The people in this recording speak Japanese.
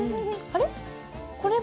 あれ？